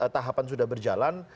tahapan sudah berjalan